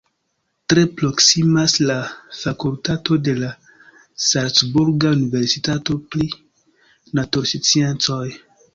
Tre proksimas la fakultato de la salcburga universitato pri natursciencoj.